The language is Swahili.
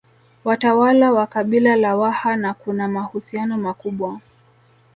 Watawala wa kabila la Waha na kuna mahusiano makubwa